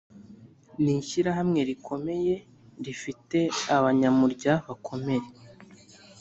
ni ishyirahamwe rikomeye rifite abanyamurya bakomeye